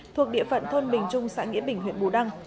thuộc địa phận thôn bình trung xã nghĩa bình huyện bù đăng